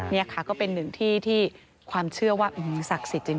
นี่ค่ะก็เป็นหนึ่งที่ที่ความเชื่อว่าศักดิ์สิทธิ์จริง